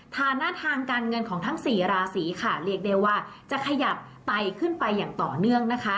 ฐานะทางการเงินของทั้งสี่ราศีค่ะเรียกได้ว่าจะขยับไตขึ้นไปอย่างต่อเนื่องนะคะ